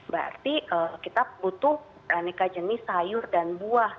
berarti kita butuh aneka jenis sayur dan buah